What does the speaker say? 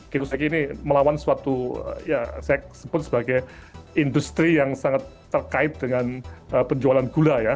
kiostrik ini melawan suatu ya saya sebut sebagai industri yang sangat terkait dengan penjualan gula ya